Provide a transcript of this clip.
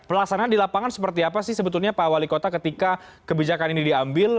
pelaksanaan di lapangan seperti apa sih sebetulnya pak wali kota ketika kebijakan ini diambil